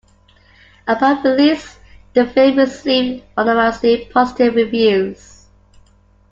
Upon release, the film received unanimously positive reviews.